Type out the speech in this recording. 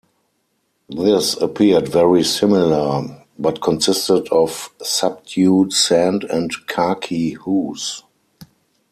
This appeared very similar, but consisted of subdued sand and khaki hues.